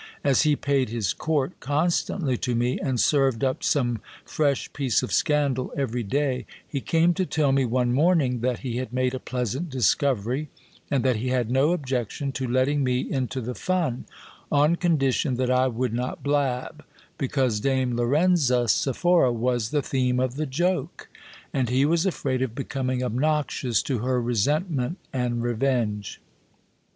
As he paid his court constantly to me, and served up some fresh piece of scandal every day, he came to tell me one morning that he had made a pleasant discovery; and that he had no objection to letting me into the fun, on condition that I would not blab : because Dame Lorenza Sephora was the theme of the joke, and he was afraid of becoming obnoxious to her resentment and revenge.